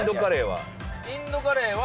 インドカレーは？